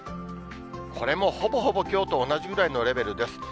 これもほぼほぼきょうと同じぐらいのレベルです。